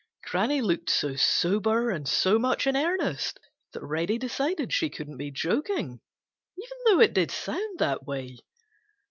Granny looked so sober and so much in earnest that Reddy decided she couldn't be joking, even though it did sound that way.